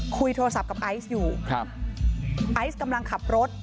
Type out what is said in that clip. คุยโทรศัพท์กับไอซ์อยู่ครับไอซ์กำลังขับรถ